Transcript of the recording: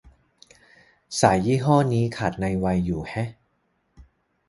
สายยี่ห้อ นี่ขาดในไวอยู่แฮะ